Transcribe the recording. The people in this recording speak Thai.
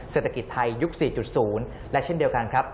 สวัสดีครับ